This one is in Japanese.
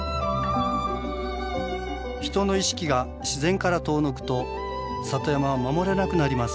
人の意識が自然から遠のくと里山は守れなくなります。